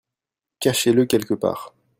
Cachez le quelque part.